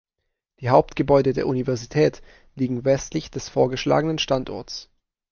Die Hauptgebäude der Universität liegen westlich des vorgeschlagenen Standorts.